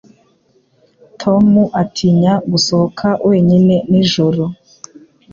Tom atinya gusohoka wenyine nijoro.